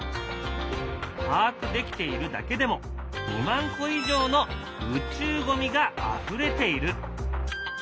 把握できているだけでも２万個以上の宇宙ゴミがあふれている。